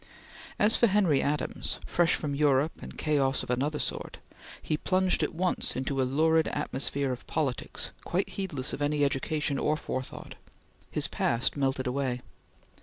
As for Henry Adams, fresh from Europe and chaos of another sort, he plunged at once into a lurid atmosphere of politics, quite heedless of any education or forethought. His past melted away.